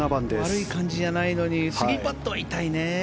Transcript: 悪い感じじゃないのに３パットは痛いね。